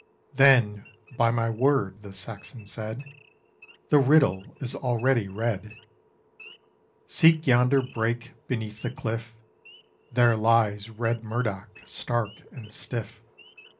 "Then, by my word," the Saxon said, "The riddle is already read. Seek yonder brake beneath the cliff, There lies Red Murdoch, stark and stiff.